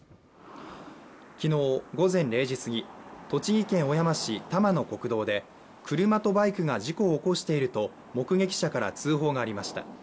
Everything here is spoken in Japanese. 昨日午前０時すぎ栃木県小山市田間の国道で車とバイクが事故を起こしていると目撃者から通報がありました。